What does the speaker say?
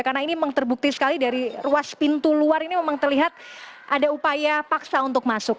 karena ini memang terbukti sekali dari ruas pintu luar ini memang terlihat ada upaya paksa untuk masuk